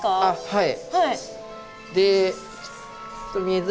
はい。